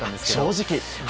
正直。